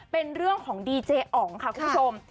เป็นเรื่องของดีเจอ๋องค่ะคุณผู้ชม